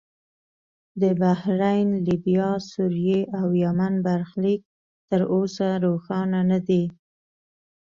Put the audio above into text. د بحرین، لیبیا، سوریې او یمن برخلیک تر اوسه روښانه نه دی.